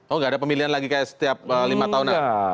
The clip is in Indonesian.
oh tidak ada pemilihan lagi setiap lima tahun